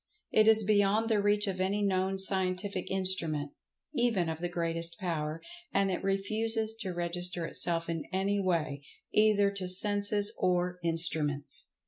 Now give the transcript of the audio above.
It is beyond the reach of any known scientific instrument, even of the greatest power, and it refuses to register itself in any way, either to senses or instruments.